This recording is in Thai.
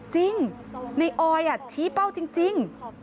จริงในออยชี้เป้าจริง